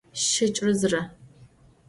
Şeç'ıre zıre.